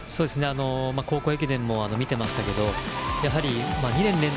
高校駅伝も見てましたけどやはり２年連続